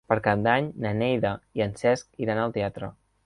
Per Cap d'Any na Neida i en Cesc iran al teatre.